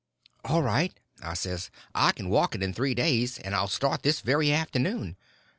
"All right," I says, "I can walk it in three days. And I'll start this very afternoon."